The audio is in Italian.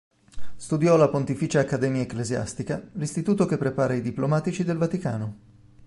Studiò alla Pontificia Accademia Ecclesiastica, l'istituto che prepara i diplomatici del Vaticano.